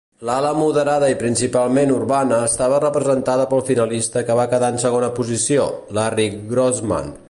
L'ala moderada i principalment urbana estava representada pel finalista que va quedar en segona posició, Larry Grossman.